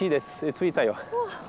着いたよ。